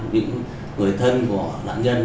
những người thân của nạn nhân